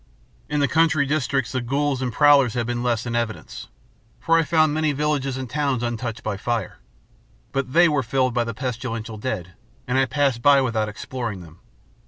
"In the country districts the ghouls and prowlers had been less in evidence, for I found many villages and towns untouched by fire. But they were filled by the pestilential dead, and I passed by without exploring them.